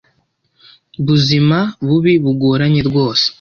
buzima bubi bugoranye rwose